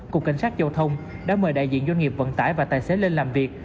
cục cảnh sát giao thông đã mời đại diện doanh nghiệp vận tải và tài xế lên làm việc